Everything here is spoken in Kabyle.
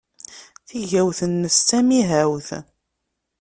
Tigawt-nnes d tamihawt.